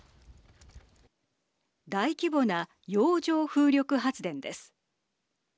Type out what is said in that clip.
大規模な洋上風力発電です。